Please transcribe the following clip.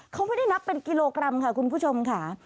เขาไม่ได้นับเป็นกิโลกรัมค่ะคุณผู้ชมค่ะ